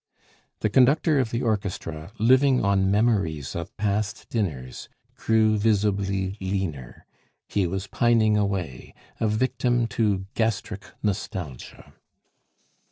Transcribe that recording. The conductor of the orchestra, living on memories of past dinners, grew visibly leaner; he was pining away, a victim to gastric nostalgia.